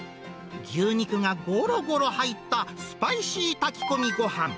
牛肉がごろごろ入ったスパイシー炊き込みごはん。